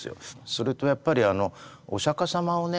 それとやっぱりお釈迦様をね